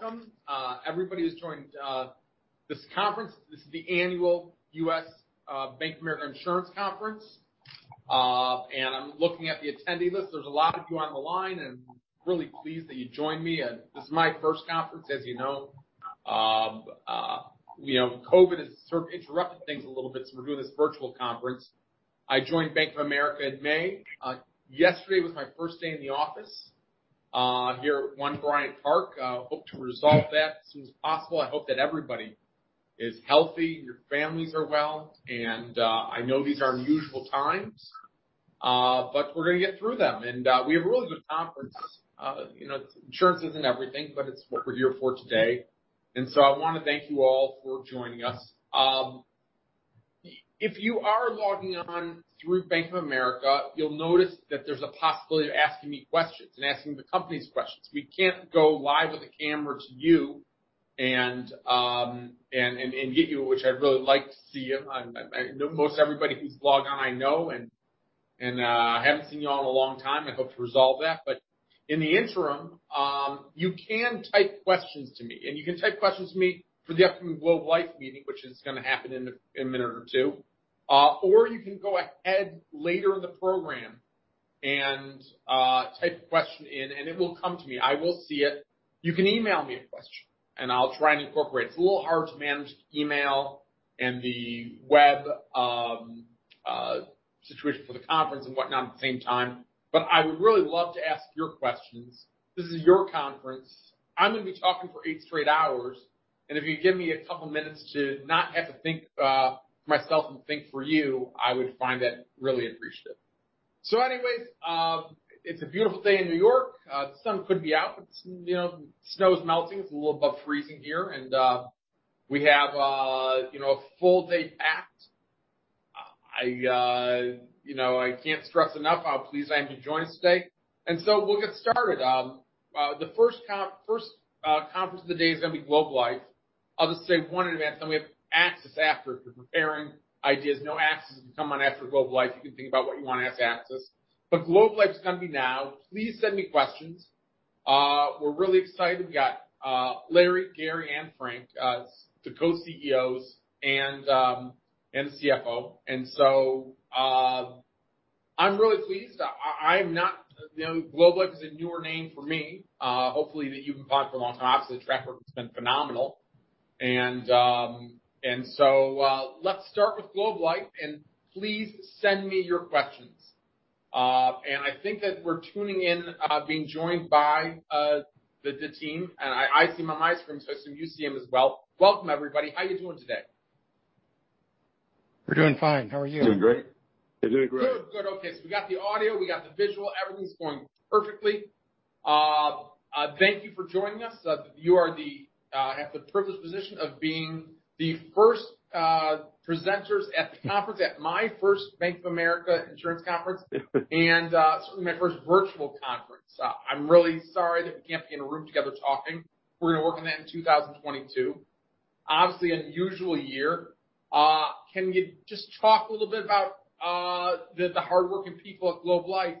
Welcome, everybody who's joined this conference. This is the annual U.S. Bank of America Insurance Conference. I'm looking at the attendee list. There's a lot of you on the line, and I'm really pleased that you joined me. This is my first conference, as you know. COVID has sort of interrupted things a little bit, so we're doing this virtual conference. I joined Bank of America in May. Yesterday was my first day in the office here at One Bryant Park. Hope to resolve that as soon as possible. I hope that everybody is healthy, your families are well, and I know these are unusual times, but we're going to get through them. We have a really good conference. Insurance isn't everything, but it's what we're here for today. I want to thank you all for joining us. If you are logging on through Bank of America, you'll notice that there's a possibility of asking me questions and asking the companies questions. We can't go live with a camera to you and get you, which I'd really like to see you. I know most everybody who's logged on I know, and I haven't seen you all in a long time, and hope to resolve that. In the interim, you can type questions to me, and you can type questions to me for the upcoming Globe Life meeting, which is going to happen in a minute or two. You can go ahead later in the program and type a question in, and it will come to me. I will see it. You can email me a question, and I'll try and incorporate it. It's a little hard to manage email and the web situation for the conference and whatnot at the same time, but I would really love to ask your questions. This is your conference. I'm going to be talking for eight straight hours, and if you give me a couple of minutes to not have to think for myself and think for you, I would find that really appreciative. Anyways, it's a beautiful day in N.Y. The sun could be out, but the snow's melting. It's a little above freezing here, and we have a full day packed. I can't stress enough how pleased I am to join us today. We'll get started. The first conference of the day is going to be Globe Life. I'll just say one in advance, we have AXIS after. If you're preparing ideas, know AXIS is coming on after Globe Life. You can think about what you want to ask AXIS. Globe Life's going to be now. Please send me questions. We're really excited. We got Larry, Gary, and Frank, the Co-CEOs and the CFO. I'm really pleased. Globe Life is a newer name for me. Hopefully that you've known for a long time. Obviously, the track record's been phenomenal. Let's start with Globe Life, and please send me your questions. I think that we're tuning in, being joined by the team, and I see them on my screen, so I assume you see them as well. Welcome, everybody. How are you doing today? We're doing fine. How are you? Doing great. We're doing great. Good. Okay, we got the audio, we got the visual. Everything's going perfectly. Thank you for joining us. You have the privileged position of being the first presenters at the conference at my first Bank of America Insurance Conference, certainly my first virtual conference. I'm really sorry that we can't be in a room together talking. We're going to work on that in 2022. Obviously, unusual year. Can you just talk a little bit about the hardworking people at Globe Life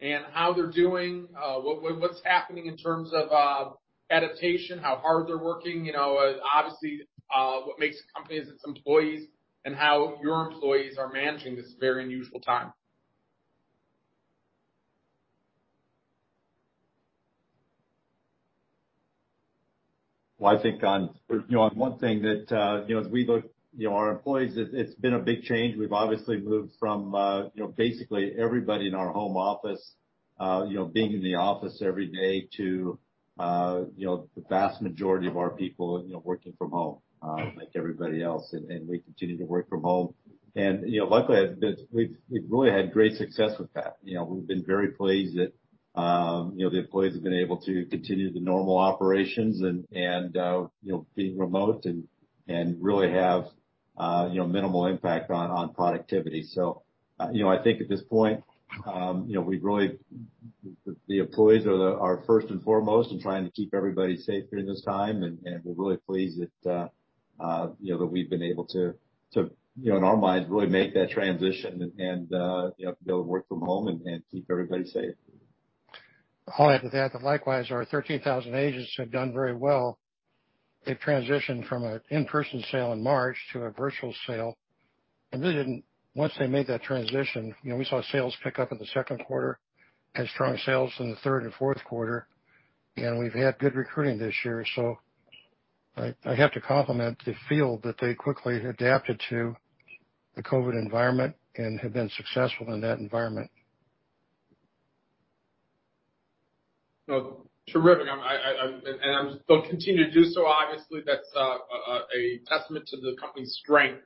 and how they're doing, what's happening in terms of adaptation, how hard they're working? Obviously, what makes a company is its employees, how your employees are managing this very unusual time. Well, I think on one thing that as we look our employees, it's been a big change. We've obviously moved from basically everybody in our home office being in the office every day to the vast majority of our people working from home like everybody else, and will continue to work from home. Luckily, we've really had great success with that. We've been very pleased that the employees have been able to continue the normal operations and being remote and really have minimal impact on productivity. I think at this point, the employees are first and foremost in trying to keep everybody safe during this time, and we're really pleased that we've been able to, in our minds, really make that transition and be able to work from home and keep everybody safe. I'll add to that likewise, our 13,000 agents have done very well. They've transitioned from an in-person sale in March to a virtual sale. Once they made that transition, we saw sales pick up in the second quarter, had strong sales in the third and fourth quarter, and we've had good recruiting this year. I have to compliment the field that they quickly adapted to the COVID environment and have been successful in that environment. Terrific. They'll continue to do so. Obviously, that's a testament to the company's strength.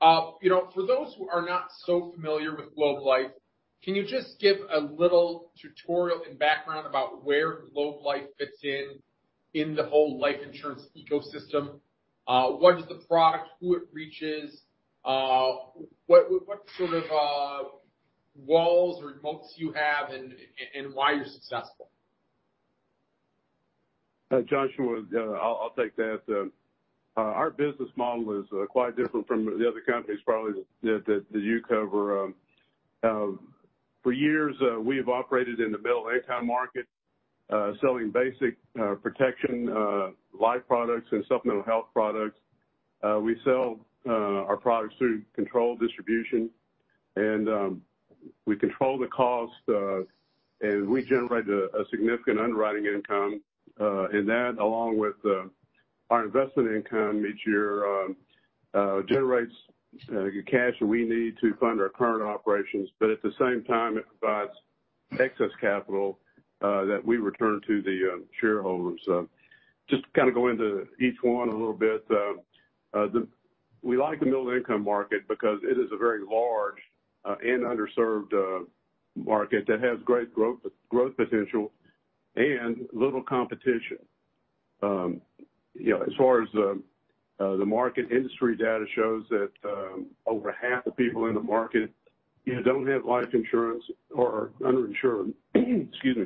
For those who are not so familiar with Globe Life, can you just give a little tutorial and background about where Globe Life fits in the whole life insurance ecosystem? What is the product? Who it reaches? What sort of walls or moats you have, and why you're successful? Joshua, I'll take that. Our business model is quite different from the other companies probably that you cover. For years, we have operated in the middle income market, selling basic protection life products and supplemental health products. We sell our products through controlled distribution, we control the cost, and we generate a significant underwriting income. That, along with our investment income each year, generates cash that we need to fund our current operations. At the same time, it provides excess capital that we return to the shareholders. Just to kind of go into each one a little bit. We like the middle income market because it is a very large and underserved market that has great growth potential and little competition. As far as the market, industry data shows that over half the people in the market either don't have life insurance or are underinsured. Excuse me.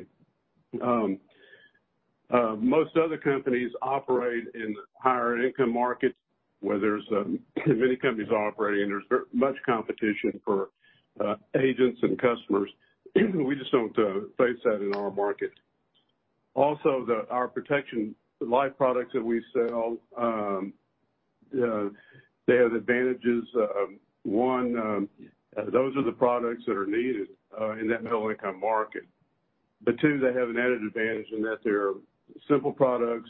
Most other companies operate in the higher income markets where there's many companies operating, there's much competition for agents and customers. We just don't face that in our market. Also, our protection life products that we sell, they have advantages. One, those are the products that are needed in that middle income market. Two, they have an added advantage in that they are simple products.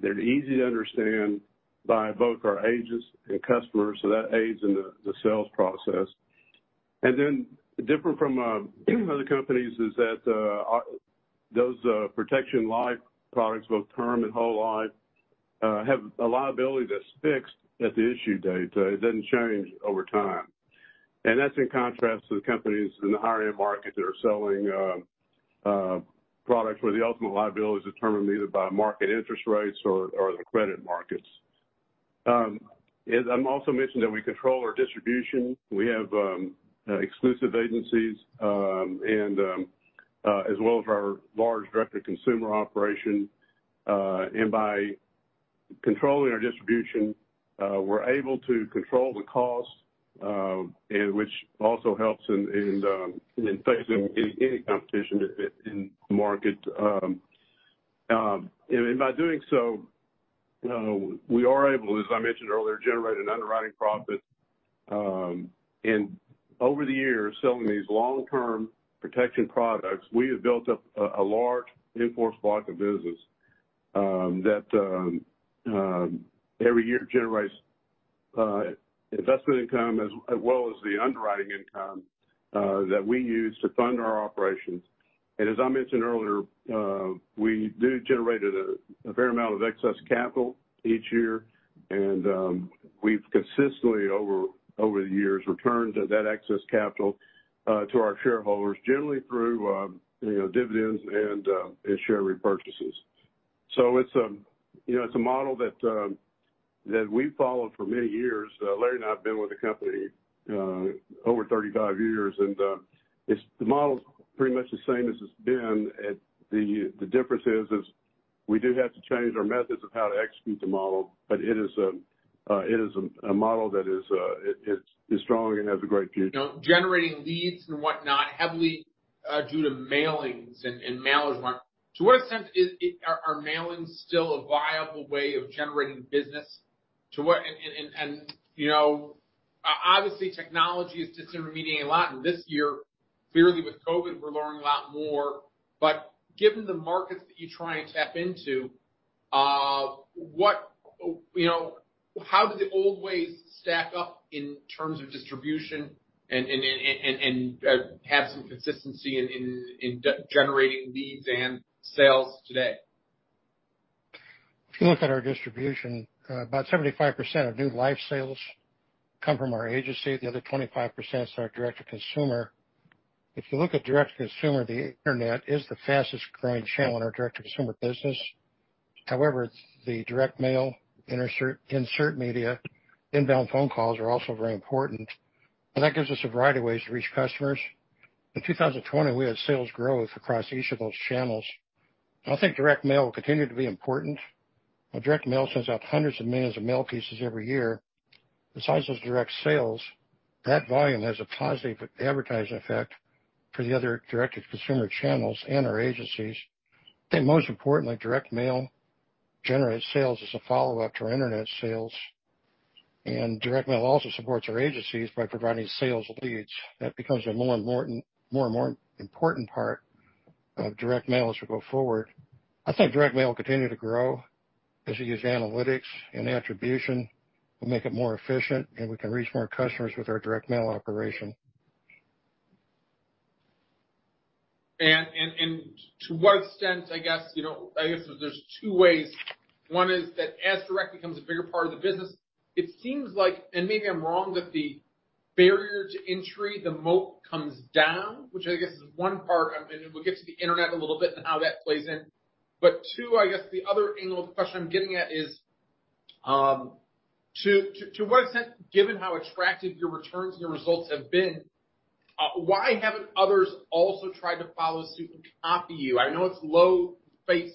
They're easy to understand by both our agents and customers. That aids in the sales process. Then different from other companies is that those protection life products, both Term Life and Whole Life, have a liability that's fixed at the issue date. It doesn't change over time. That's in contrast to the companies in the higher end markets that are selling products where the ultimate liability is determined either by market interest rates or the credit markets. I also mentioned that we control our distribution. We have exclusive agencies as well as our large direct to consumer operation. By controlling our distribution, we're able to control the cost, which also helps in facing any competition in the market. By doing so, we are able, as I mentioned earlier, to generate an underwriting profit. Over the years, selling these long term protection products, we have built up a large in-force block of business that every year generates investment income as well as the underwriting income that we use to fund our operations. As I mentioned earlier, we do generate a fair amount of excess capital each year. We've consistently, over the years, returned that excess capital to our shareholders, generally through dividends and share repurchases. It's a model that we've followed for many years. Larry and I have been with the company over 35 years. The model is pretty much the same as it's been. The difference is we do have to change our methods of how to execute the model. It is a model that is strong and has a great future. Generating leads and whatnot, heavily due to mailings and mailers. To what extent are mailings still a viable way of generating business? Obviously, technology is disintermediating a lot, and this year, clearly with COVID, we're learning a lot more. Given the markets that you try and tap into, how do the old ways stack up in terms of distribution and have some consistency in generating leads and sales today? If you look at our distribution, about 75% of new life sales come from our agency. The other 25% is our direct to consumer. If you look at direct to consumer, the Internet is the fastest growing channel in our direct to consumer business. However, the direct mail, insert media, inbound phone calls are also very important. That gives us a variety of ways to reach customers. In 2020, we had sales growth across each of those channels. I think direct mail will continue to be important. Direct mail sends out hundreds of millions of mail pieces every year. Besides those direct sales, that volume has a positive advertising effect for the other direct to consumer channels and our agencies. I think most importantly, direct mail generates sales as a follow-up to our Internet sales. Direct mail also supports our agencies by providing sales leads. That becomes a more and more important part of direct mail as we go forward. I think direct mail will continue to grow as we use analytics and attribution. We'll make it more efficient, and we can reach more customers with our direct mail operation. To what extent, I guess there's two ways. One is that as direct becomes a bigger part of the business, it seems like, and maybe I'm wrong, that the barrier to entry, the moat, comes down, which I guess is one part. We'll get to the Internet a little bit and how that plays in. Two, I guess the other angle of the question I'm getting at is, to what extent, given how extractive your returns and your results have been, why haven't others also tried to follow suit and copy you? I know it's low face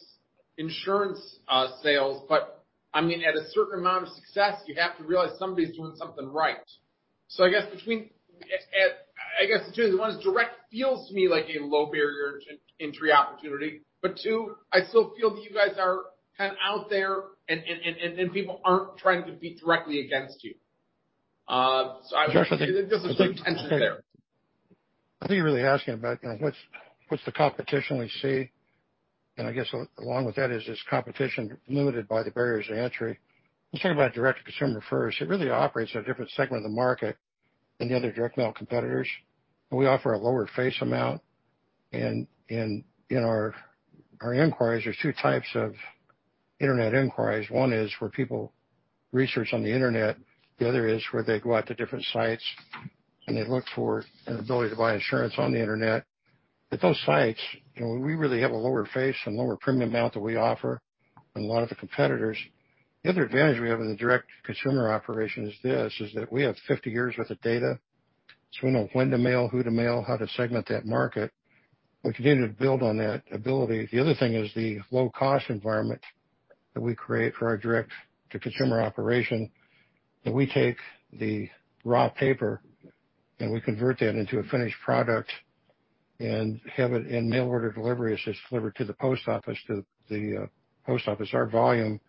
insurance sales, but at a certain amount of success, you have to realize somebody's doing something right. I guess between, one is direct feels to me like a low barrier to entry opportunity, but two, I still feel that you guys are kind of out there and people aren't trying to compete directly against you. I think there's a certain tension there. I think you're really asking about what's the competition we see, and I guess along with that is competition limited by the barriers to entry? Let's talk about direct to consumer first. It really operates at a different segment of the market than the other direct mail competitors. We offer a lower face amount. In our inquiries, there's two types of internet inquiries. One is where people research on the internet, the other is where they go out to different sites, and they look for an ability to buy insurance on the internet. At those sites, we really have a lower face and lower premium amount that we offer than a lot of the competitors. The other advantage we have in the direct to consumer operation is this, is that we have 50 years' worth of data, so we know when to mail, who to mail, how to segment that market. We continue to build on that ability. The other thing is the low-cost environment that we create for our direct to consumer operation, that we take the raw paper and we convert that into a finished product and have it in mail order delivery. It's just delivered to the post office. Our volume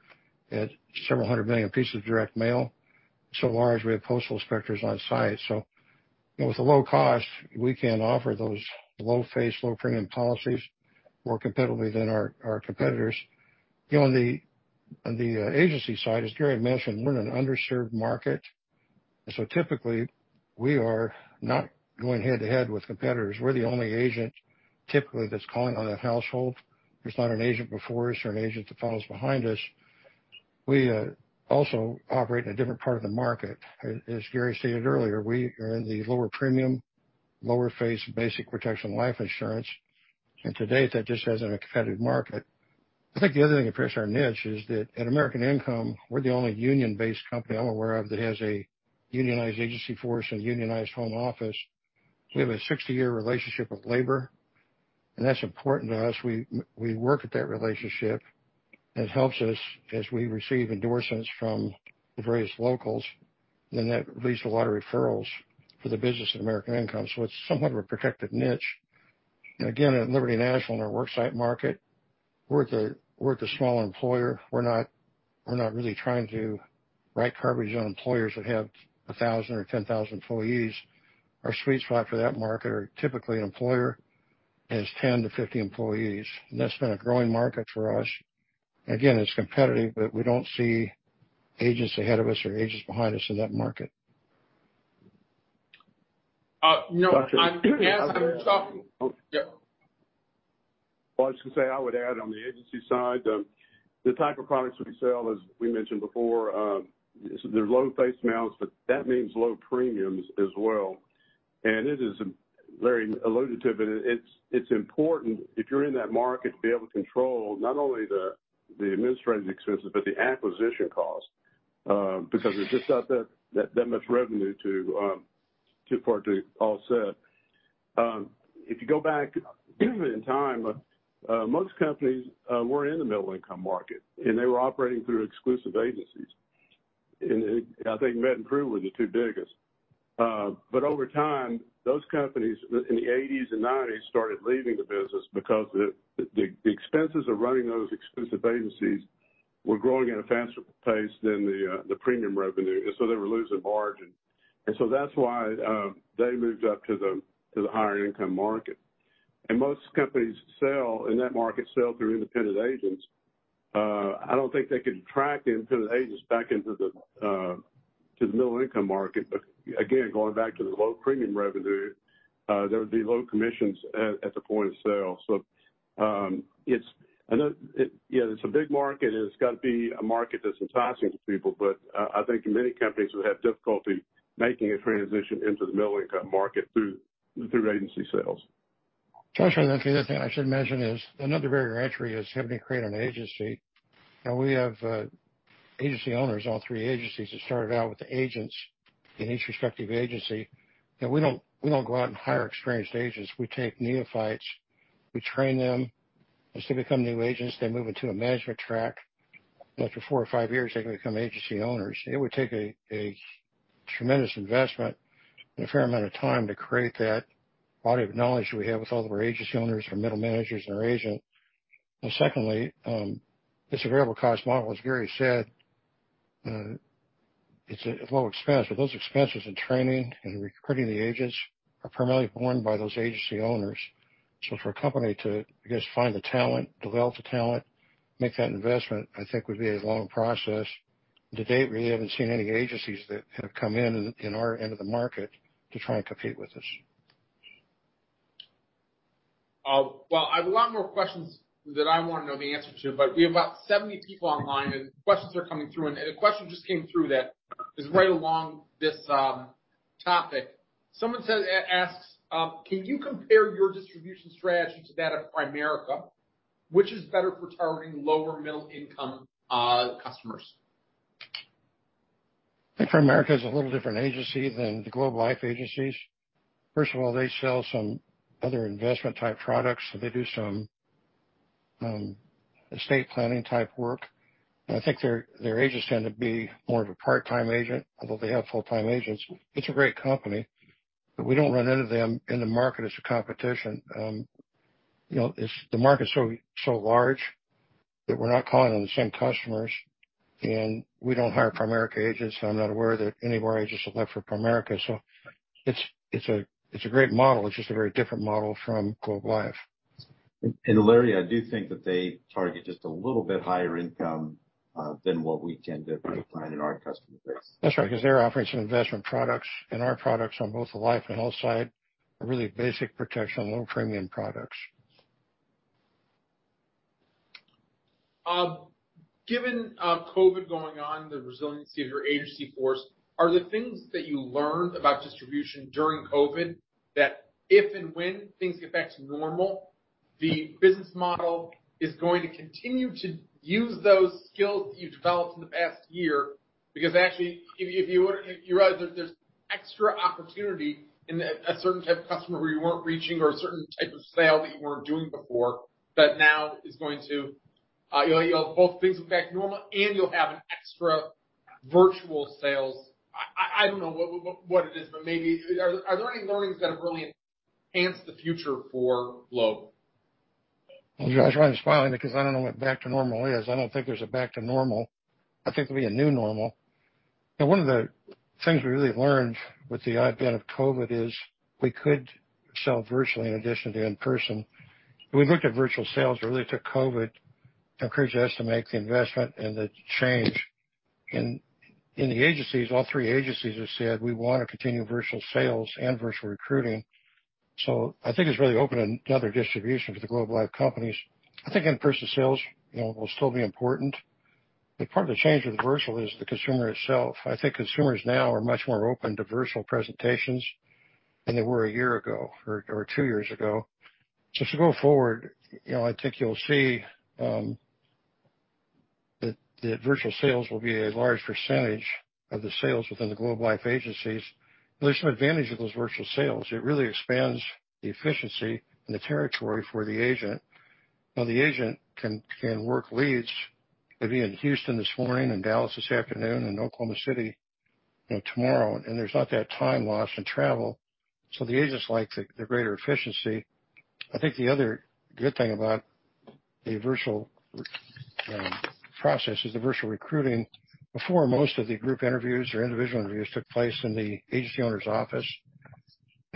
at several hundred million pieces of direct mail, so large we have postal inspectors on site. With the low cost, we can offer those low face, low premium policies more competitively than our competitors. On the agency side, as Gary mentioned, we're in an underserved market. Typically, we are not going head to head with competitors. We're the only agent typically that's calling on that household. There's not an agent before us or an agent that follows behind us. We also operate in a different part of the market. As Gary stated earlier, we are in the lower premium, lower face, basic protection life insurance. To date, that just hasn't been a competitive market. I think the other thing that drives our niche is that at American Income, we're the only union-based company I'm aware of that has a unionized agency force and unionized home office. We have a 60-year relationship with labor, and that's important to us. We work at that relationship. It helps us as we receive endorsements from the various locals. That leads to a lot of referrals for the business at American Income. It's somewhat of a protected niche. Again, at Liberty National, in our worksite market, we're the small employer. We're not really trying to write coverage on employers that have 1,000 or 10,000 employees. Our sweet spot for that market are typically an employer has 10 to 50 employees. That's been a growing market for us. Again, it's competitive, but we don't see agents ahead of us or agents behind us in that market. No. I'm. Well, I was going to say, I would add on the agency side, the type of products we sell, as we mentioned before, they're low face amounts, but that means low premiums as well. It is very elusive, and it's important if you're in that market to be able to control not only the administrative expenses but the acquisition cost, because there's just not that much revenue to partly offset. If you go back in time, most companies were in the middle income market, and they were operating through exclusive agencies. I think Met and Pru were the two biggest. Over time, those companies in the '80s and '90s started leaving the business because the expenses of running those exclusive agencies were growing at a faster pace than the premium revenue, and so they were losing margin. That's why they moved up to the higher income market. Most companies sell in that market, sell through independent agents. I don't think they could track independent agents back into the middle income market. Again, going back to the low premium revenue, there would be low commissions at the point of sale. It's a big market, and it's got to be a market that's enticing to people. I think many companies would have difficulty making a transition into the middle income market through agency sales. Joshua, the other thing I should mention is another barrier to entry is having to create an agency. Now we have agency owners, all three agencies that started out with the agents in each respective agency. Now we don't go out and hire experienced agents. We take neophytes, we train them, as they become new agents, they move into a management track. After four or five years, they can become agency owners. It would take a tremendous investment and a fair amount of time to create that body of knowledge that we have with all of our agency owners, our middle managers, and our agents. Secondly, it's a variable cost model. As Gary said, it's a low expense, but those expenses in training and recruiting the agents are primarily borne by those agency owners. For a company to, I guess, find the talent, develop the talent, make that investment, I think would be a long process. To date, we haven't seen any agencies that have come in in our end of the market to try and compete with us. Well, I have a lot more questions that I want to know the answer to, but we have about 70 people online, and questions are coming through. A question just came through that is right along this topic. Someone asks, can you compare your distribution strategy to that of Primerica? Which is better for targeting lower middle income customers? I think Primerica is a little different agency than the Globe Life agencies. First of all, they sell some other investment type products. They do some estate planning type work. I think their agents tend to be more of a part-time agent, although they have full-time agents. It's a great company, but we don't run into them in the market as a competition. The market's so large that we're not calling on the same customers, and we don't hire Primerica agents, so I'm not aware that any of our agents have left for Primerica. It's a great model. It's just a very different model from Globe Life. Larry, I do think that they target just a little bit higher income, than what we tend to find in our customer base. That's right, because they're offering some investment products and our products on both the life and health side are really basic protection, low premium products. Given COVID going on, the resiliency of your agency force, are the things that you learned about distribution during COVID, that if and when things get back to normal, the business model is going to continue to use those skills that you developed in the past year? Actually, you realize that there's extra opportunity in a certain type of customer where you weren't reaching or a certain type of sale that you weren't doing before, that now both things are back to normal and you'll have an extra virtual sales. I don't know what it is, but maybe are there any learnings that have really enhanced the future for Globe? Well, Josh, I was smiling because I don't know what back to normal is. I don't think there's a back to normal. I think there'll be a new normal. One of the things we really learned with the advent of COVID is we could sell virtually in addition to in-person. We looked at virtual sales early to COVID, encouraged us to make the investment and the change. In the agencies, all three agencies have said we want to continue virtual sales and virtual recruiting. I think it's really opened another distribution for the Globe Life companies. I think in-person sales will still be important, but part of the change with virtual is the consumer itself. I think consumers now are much more open to virtual presentations than they were a year ago or two years ago. As we go forward, I think you'll see that virtual sales will be a large percentage of the sales within the Globe Life agencies. There's some advantage of those virtual sales. It really expands the efficiency and the territory for the agent. Now the agent can work leads. They'd be in Houston this morning and Dallas this afternoon and Oklahoma City tomorrow, and there's not that time loss in travel. The agents like the greater efficiency. I think the other good thing about the virtual process is the virtual recruiting. Before, most of the group interviews or individual interviews took place in the agency owner's office.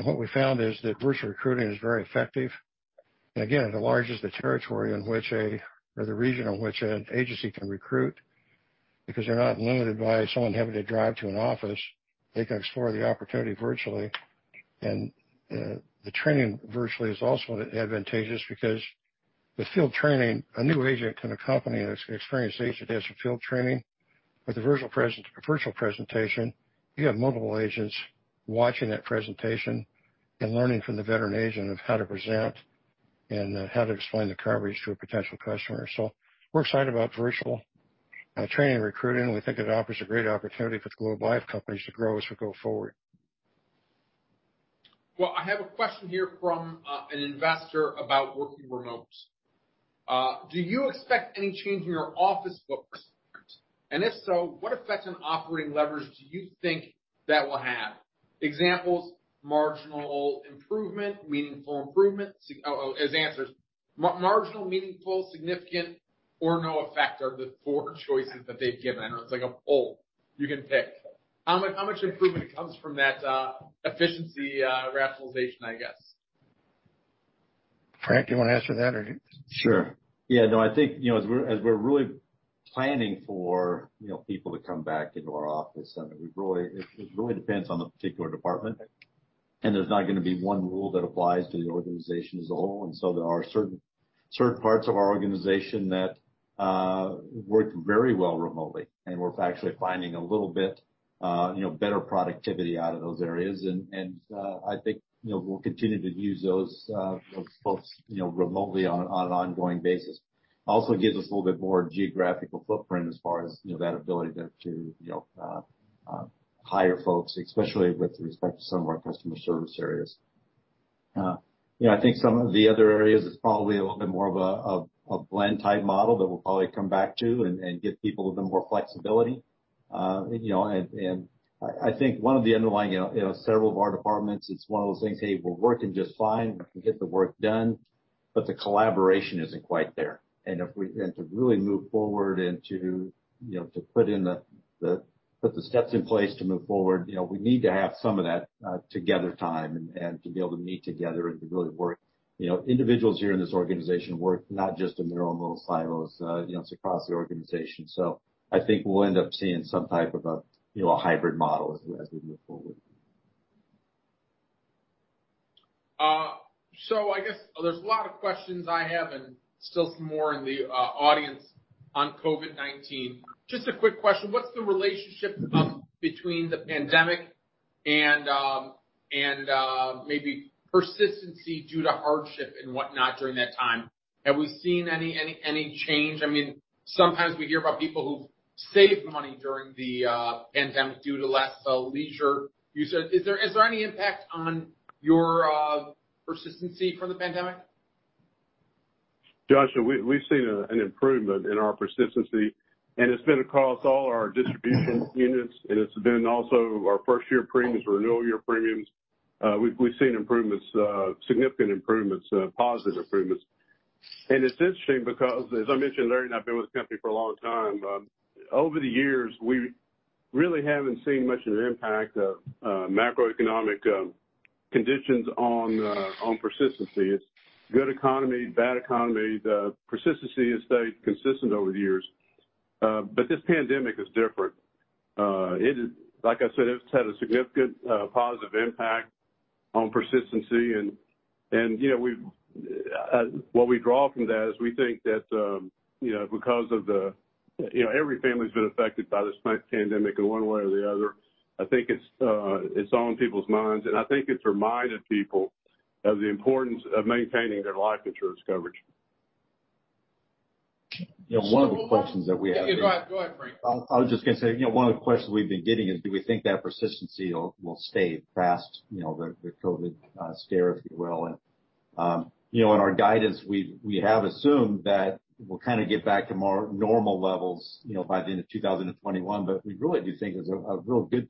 What we found is that virtual recruiting is very effective. Again, it enlarges the territory or the region in which an agency can recruit, because they're not limited by someone having to drive to an office. They can explore the opportunity virtually. The training virtually is also advantageous because with field training, a new agent can accompany an experienced agent as a field training. With a virtual presentation, you have multiple agents watching that presentation and learning from the veteran agent of how to present and how to explain the coverage to a potential customer. We're excited about virtual training and recruiting, and we think it offers a great opportunity for the Globe Life companies to grow as we go forward. Well, I have a question here from an investor about working remote. Do you expect any change in your office footprint? If so, what effect on operating leverage do you think that will have? Examples, marginal improvement, meaningful improvement. As answers, marginal, meaningful, significant, or no effect are the four choices that they've given. It's like a poll. You can pick. How much improvement comes from that efficiency rationalization, I guess? Frank, you want to answer that or? Sure. Yeah, no, I think, as we're really planning for people to come back into our office, it really depends on the particular department, there's not going to be one rule that applies to the organization as a whole. There are certain parts of our organization that work very well remotely, and we're actually finding a little bit better productivity out of those areas. I think we'll continue to use those folks remotely on an ongoing basis. Also gives us a little bit more geographical footprint as far as that ability to hire folks, especially with respect to some of our customer service areas. I think some of the other areas, it's probably a little bit more of a blend type model that we'll probably come back to and give people a bit more flexibility. I think several of our departments, it's one of those things, hey, we're working just fine. We can get the work done, the collaboration isn't quite there. To really move forward and to put the steps in place to move forward, we need to have some of that together time and to be able to meet together and to really work. Individuals here in this organization work not just in their own little silos, it's across the organization. I think we'll end up seeing some type of a hybrid model as we move forward. I guess there's a lot of questions I have and still some more in the audience on COVID-19. Just a quick question. What's the relationship between the pandemic and maybe persistency due to hardship and whatnot during that time. Have we seen any change? Sometimes we hear about people who've saved money during the pandemic due to less leisure usage. Is there any impact on your persistency from the pandemic? Joshua, we've seen an improvement in our persistency, it's been across all our distribution units, it's been also our first-year premiums, renewal year premiums. We've seen significant improvements, positive improvements. It's interesting because as I mentioned earlier, I've been with this company for a long time. Over the years, we really haven't seen much of an impact of macroeconomic conditions on persistency. It's good economy, bad economy, the persistency has stayed consistent over the years. This pandemic is different. Like I said, it's had a significant positive impact on persistency. What we draw from that is we think that every family's been affected by this pandemic in one way or the other. I think it's on people's minds, and I think it's reminded people of the importance of maintaining their life insurance coverage. One of the questions that we have. Go ahead, Frank. I was just going to say, one of the questions we've been getting is, do we think that persistency will stay past the COVID scare, if you will. In our guidance, we have assumed that we'll kind of get back to more normal levels by the end of 2021. We really do think there's a real good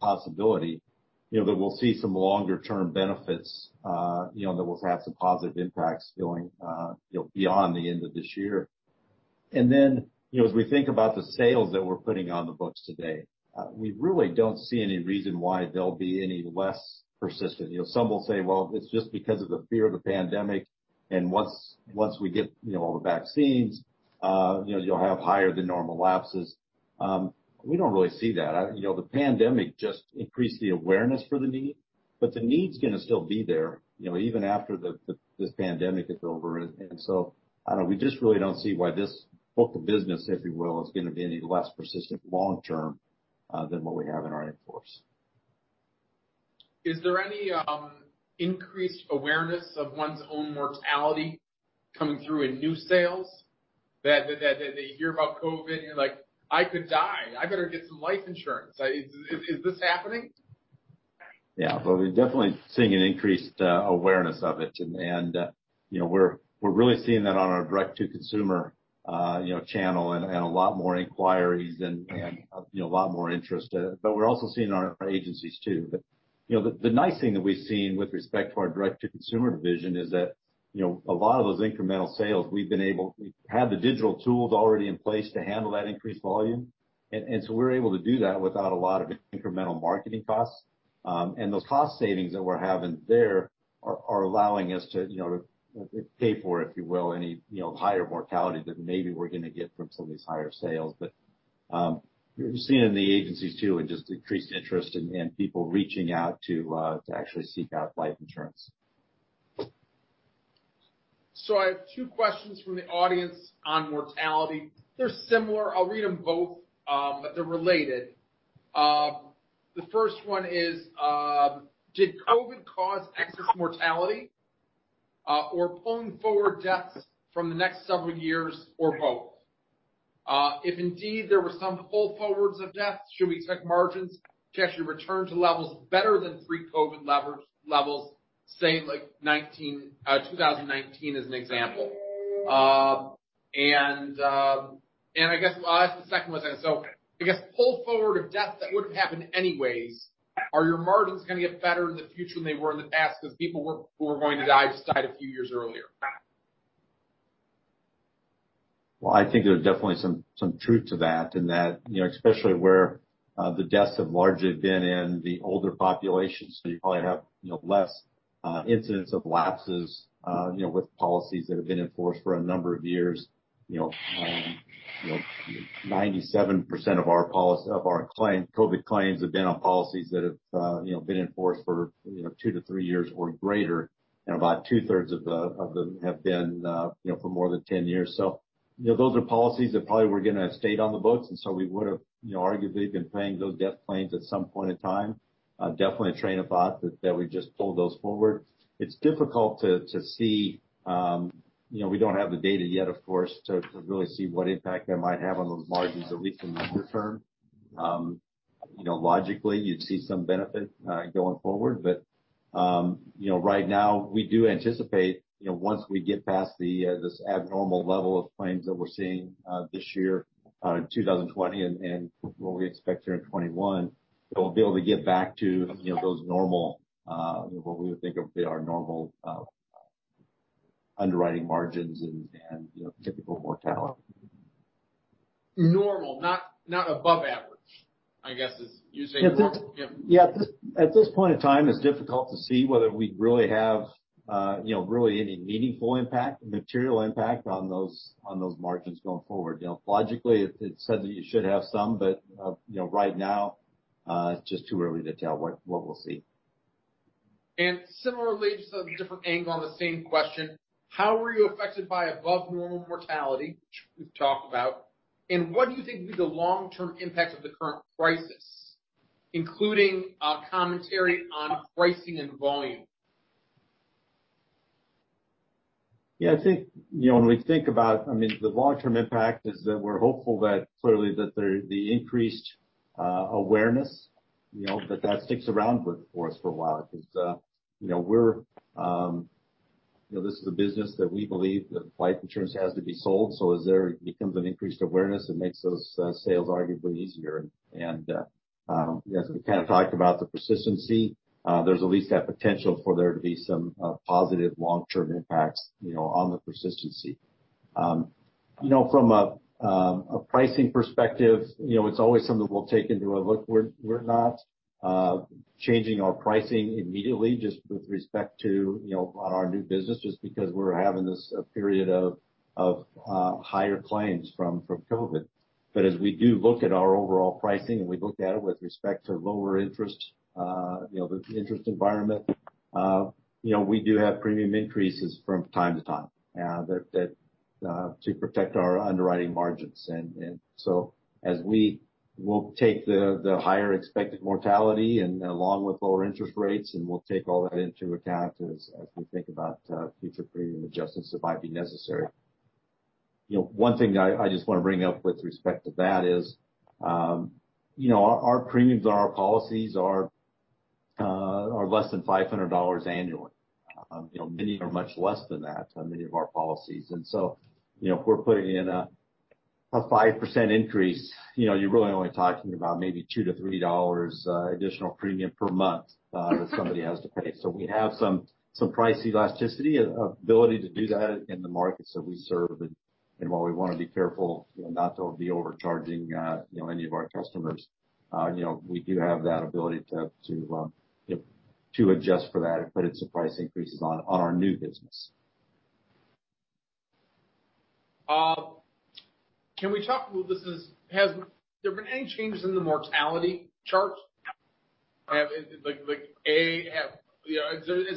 possibility that we'll see some longer term benefits, that we'll have some positive impacts going beyond the end of this year. Then, as we think about the sales that we're putting on the books today, we really don't see any reason why they'll be any less persistent. Some will say, well, it's just because of the fear of the pandemic, and once we get all the vaccines, you'll have higher than normal lapses. We don't really see that. The pandemic just increased the awareness for the need, the need's going to still be there even after this pandemic is over. We just really don't see why this book of business, if you will, is going to be any less persistent long term than what we have in our in-force. Is there any increased awareness of one's own mortality coming through in new sales? That they hear about COVID, and you're like, "I could die. I better get some life insurance." Is this happening? Well, we're definitely seeing an increased awareness of it. We're really seeing that on our direct-to-consumer channel and a lot more inquiries and a lot more interest. We're also seeing it in our agencies, too. The nice thing that we've seen with respect to our direct-to-consumer division is that, a lot of those incremental sales, we had the digital tools already in place to handle that increased volume. We were able to do that without a lot of incremental marketing costs. Those cost savings that we're having there are allowing us to pay for, if you will, any higher mortality that maybe we're going to get from some of these higher sales. We're seeing it in the agencies, too, and just increased interest and people reaching out to actually seek out life insurance. I have two questions from the audience on mortality. They're similar. I'll read them both. They're related. The first one is, did COVID cause excess mortality, or pulling forward deaths from the next several years, or both? If indeed there were some pull forwards of deaths, should we expect margins to actually return to levels better than pre-COVID levels, say like 2019 as an example? I guess the second one says, I guess pull forward of deaths that would have happened anyways, are your margins going to get better in the future than they were in the past because people who were going to die just died a few years earlier? Well, I think there's definitely some truth to that in that, especially where the deaths have largely been in the older population, so you probably have less incidents of lapses with policies that have been in force for a number of years. 97% of our COVID claims have been on policies that have been in force for 2 to 3 years or greater, and about two-thirds of them have been for more than 10 years. Those are policies that probably were going to have stayed on the books, and so we would have arguably been paying those death claims at some point in time. Definitely a train of thought that we just pulled those forward. It's difficult to see. We don't have the data yet, of course, to really see what impact that might have on those margins, at least in the near term. Logically, you'd see some benefit going forward. Right now, we do anticipate once we get past this abnormal level of claims that we're seeing this year in 2020 and what we expect here in 2021, that we'll be able to get back to what we would think of our normal underwriting margins and typical mortality. Normal, not above average, I guess, is using normal. Yeah. Yeah. At this point in time, it's difficult to see whether we really have any meaningful impact, material impact on those margins going forward. Logically, it's said that you should have some, but right now it's just too early to tell what we'll see. Similarly, just a different angle on the same question, how were you affected by above normal mortality, which we've talked about, and what do you think will be the long-term impact of the current crisis, including commentary on pricing and volume? Yeah, when we think about the long-term impact is that we're hopeful that clearly that the increased awareness, that sticks around with us for a while because this is a business that we believe that life insurance has to be sold. As there becomes an increased awareness, it makes those sales arguably easier. As we kind of talked about the persistency, there's at least that potential for there to be some positive long-term impacts on the persistency. From a pricing perspective, it's always something we'll take into a look. We're not changing our pricing immediately just with respect to our new business just because we're having this period of higher claims from COVID. As we do look at our overall pricing, and we looked at it with respect to lower interest environment, we do have premium increases from time to time to protect our underwriting margins. As we'll take the higher expected mortality along with lower interest rates, we'll take all that into account as we think about future premium adjustments that might be necessary. One thing that I just want to bring up with respect to that is our premiums on our policies are less than $500 annually. Many are much less than that on many of our policies. If we're putting in a 5% increase, you're really only talking about maybe $2 to $3 additional premium per month that somebody has to pay. We have some price elasticity ability to do that in the markets that we serve. While we want to be careful not to be overcharging any of our customers, we do have that ability to adjust for that and put in some price increases on our new business. Have there been any changes in the mortality tables? Is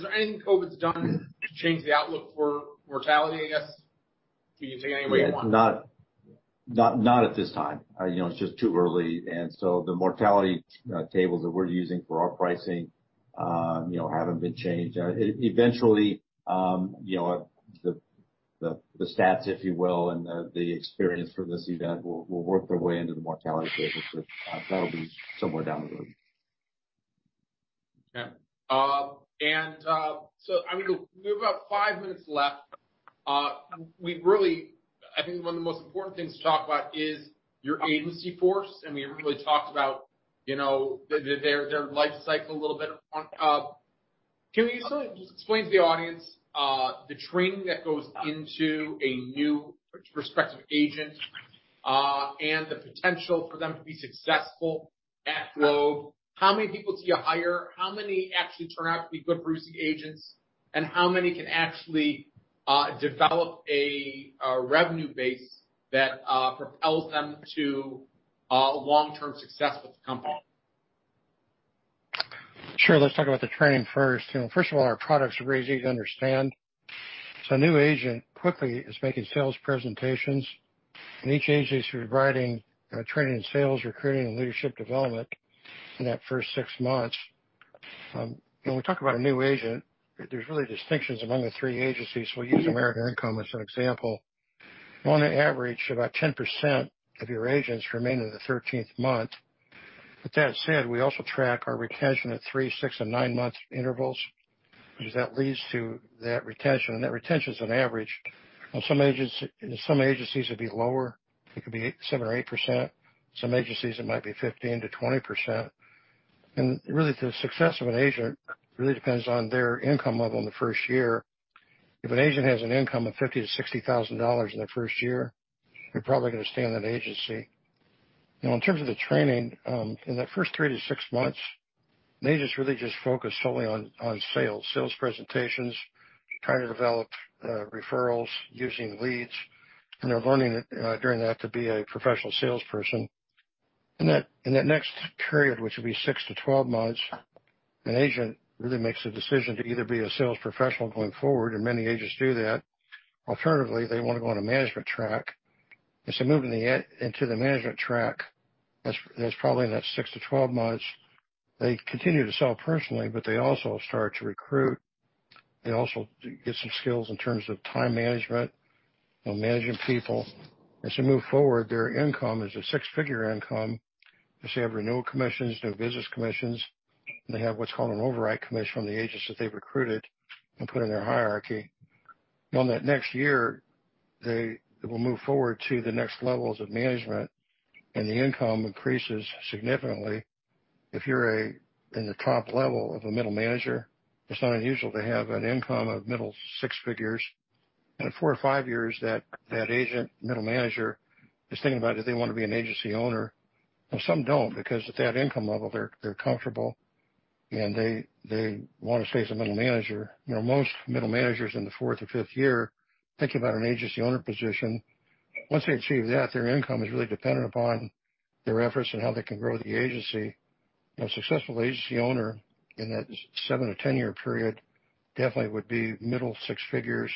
there anything COVID's done to change the outlook for mortality, I guess? Can you take it any way you want. Not at this time. It's just too early. The mortality tables that we're using for our pricing haven't been changed. Eventually, the stats, if you will, and the experience from this event will work their way into the mortality table, but that'll be somewhere down the road. Okay. We have about five minutes left. I think one of the most important things to talk about is your agency force, and we haven't really talked about their life cycle a little bit. Can you explain to the audience the training that goes into a new prospective agent and the potential for them to be successful at Globe? How many people do you hire? How many actually turn out to be good producing agents, and how many can actually develop a revenue base that propels them to long-term success with the company? Sure. Let's talk about the training first. First of all, our products are really easy to understand. A new agent quickly is making sales presentations, and each agency is providing training in sales, recruiting, and leadership development in that first six months. When we talk about a new agent, there's really distinctions among the three agencies. We'll use American Income as an example. On average, about 10% of your agents remain in the 13th month. With that said, we also track our retention at three, six, and nine-month intervals because that leads to that retention. That retention is an average. In some agencies it'd be lower, it could be 7% or 8%. Some agencies it might be 15%-20%. The success of an agent really depends on their income level in the first year. If an agent has an income of $50,000-$60,000 in their first year, they're probably going to stay in that agency. In terms of the training, in that first three to six months, an agent's really just focused solely on sales presentations, trying to develop referrals using leads, and they're learning during that to be a professional salesperson. In that next period, which will be six to 12 months, an agent really makes a decision to either be a sales professional going forward, and many agents do that. Alternatively, they want to go on a management track. Moving into the management track, that's probably in that six to 12 months, they continue to sell personally, but they also start to recruit. They also get some skills in terms of time management and managing people. As they move forward, their income is a six-figure income because they have renewal commissions, new business commissions, and they have what's called an override commission on the agents that they've recruited and put in their hierarchy. On that next year, they will move forward to the next levels of management and the income increases significantly. If you're in the top level of a middle manager, it's not unusual to have an income of middle six figures. In four or five years, that agent, middle manager, is thinking about if they want to be an agency owner. Some don't because at that income level they're comfortable and they want to stay as a middle manager. Most middle managers in the fourth or fifth year think about an agency owner position. Once they achieve that, their income is really dependent upon their efforts and how they can grow the agency. A successful agency owner in that seven to 10-year period definitely would be middle six figures.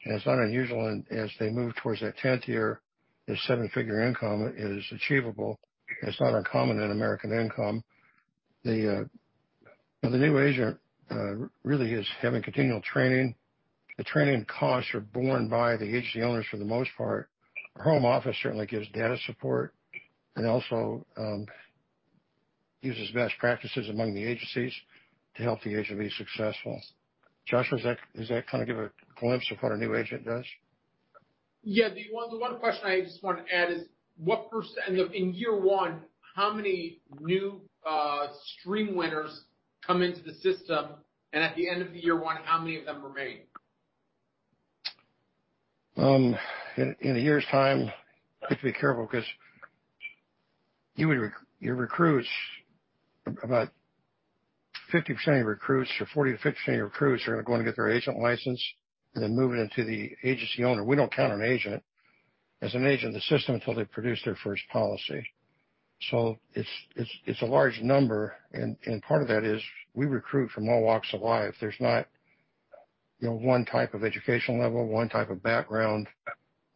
It's not unusual, as they move towards that 10th year, a seven-figure income is achievable. It's not uncommon in American Income. The new agent really is having continual training. The training costs are borne by the agency owners for the most part. Our home office certainly gives data support and also uses best practices among the agencies to help the agent be successful. Joshua, does that kind of give a glimpse of what a new agent does? Yeah. The one question I just want to add is, in year one, how many new stream winners come into the system and at the end of year one, how many of them remain? In a year's time, I have to be careful because your recruits, about 50% of recruits or 40%-50% of recruits are going to get their agent license and then move into the agency owner. We don't count an agent as an agent in the system until they produce their first policy. It's a large number, and part of that is we recruit from all walks of life. There's not one type of educational level, one type of background.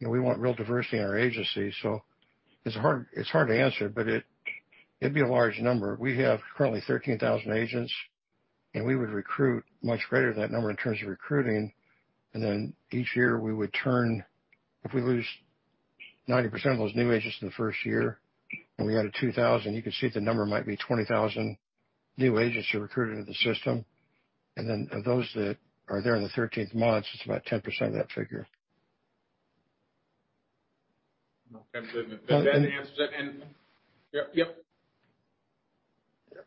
We want real diversity in our agency. It'd be a large number. We have currently 13,000 agents, we would recruit much greater than that number in terms of recruiting. Each year we would turn, if we lose 90% of those new agents in the first year, we added 2,000, you could see the number might be 20,000 new agents are recruited into the system. Of those that are there in the 13th month, it's about 10% of that figure. That answers it. Yep.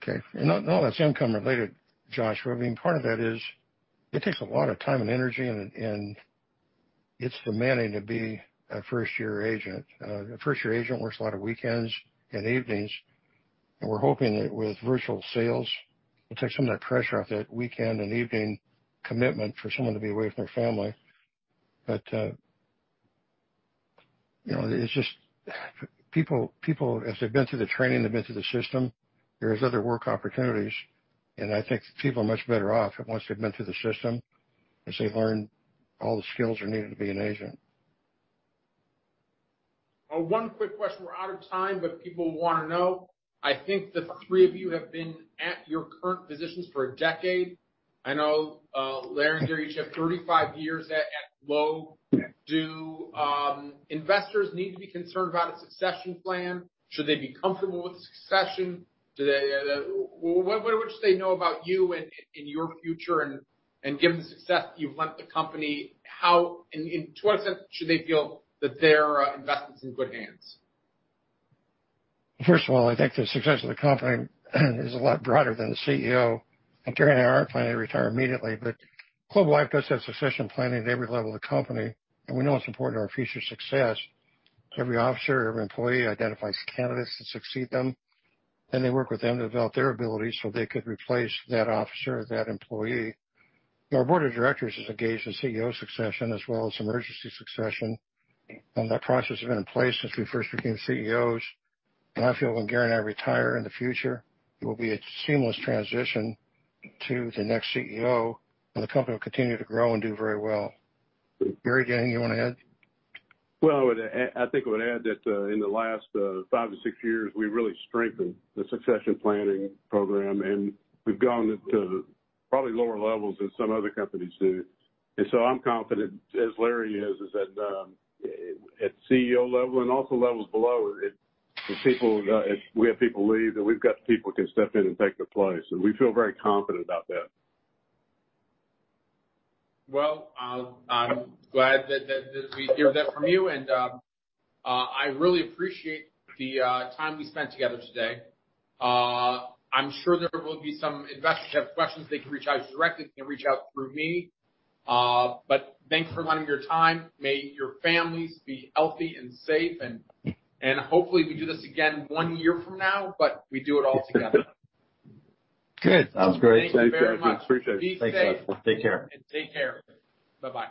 Okay. Not all that's income related, Joshua. I mean, part of that is it takes a lot of time and energy, and it's demanding to be a first-year agent. A first-year agent works a lot of weekends and evenings, and we're hoping that with virtual sales, it takes some of that pressure off that weekend and evening commitment for someone to be away from their family. It's just people, if they've been through the training, they've been through the system, there's other work opportunities, and I think people are much better off once they've been through the system, as they learn all the skills they're needing to be an agent. One quick question. We're out of time, people want to know. I think the three of you have been at your current positions for a decade. I know, Larry and Gary, you each have 35 years at Globe. Do investors need to be concerned about a succession plan? Should they be comfortable with the succession? What should they know about you and your future? Given the success that you've lent the company, to what extent should they feel that their investment's in good hands? First of all, I think the success of the company is a lot broader than the CEO, and Gary and I aren't planning to retire immediately. Globe Life does have succession planning at every level of the company, and we know it's important to our future success. Every officer, every employee identifies candidates to succeed them, and they work with them to develop their abilities so they could replace that officer or that employee. Our board of directors is engaged in CEO succession as well as emergency succession, and that process has been in place since we first became CEOs. I feel when Gary and I retire in the future, it will be a seamless transition to the next CEO, and the company will continue to grow and do very well. Gary, anything you want to add? I think I would add that in the last five to six years, we really strengthened the succession planning program, and we've gone into probably lower levels than some other companies do. I'm confident, as Larry is, that at CEO level and also levels below, if we have people leave, that we've got people who can step in and take their place. We feel very confident about that. Well, I'm glad that we hear that from you. I really appreciate the time we spent together today. I'm sure there will be some investors who have questions. They can reach out directly, they can reach out through me. Thanks for lending your time. May your families be healthy and safe, and hopefully we do this again one year from now, but we do it all together. Good. Sounds great. Thanks, guys. Appreciate it. Be safe. Take care. Take care. Bye-bye.